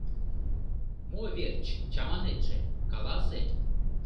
— Мо верч чаманетше, каласе?